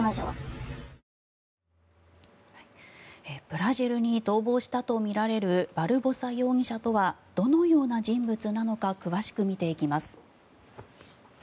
ブラジルに逃亡したとみられるバルボサ容疑者とはどのような人物なのか詳しく見ていきます。